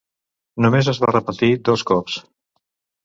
Només es va repetir dos cops.